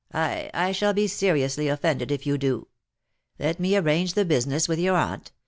I — I shall be seriously offended if you do. Let me arrange the business with your aunt.